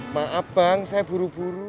maaf bang saya buru buru